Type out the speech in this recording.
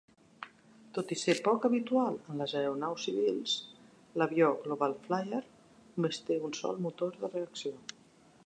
Tot i ser poc habitual en les aeronaus civils, l'avió GlobalFlyer només té un sol motor de reacció.